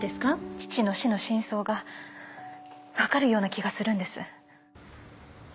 父の死の真相がわかるような気がするんです。